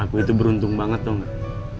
aku itu beruntung banget tau gak